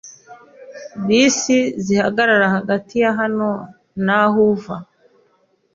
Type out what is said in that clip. Bisi zihagarara hagati ya hano n'aho uva?